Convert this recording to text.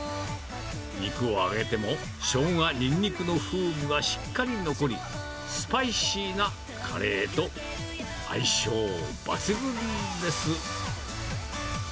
肉を揚げてもしょうが、ニンニクの風味はしっかり残り、スパイシーなカレーと相性抜群です。